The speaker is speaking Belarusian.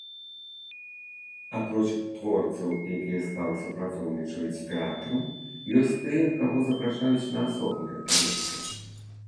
Апроч творцаў, якія стала супрацоўнічаюць з тэатрам ёсць тыя, каго запрашаюць на асобныя праекты.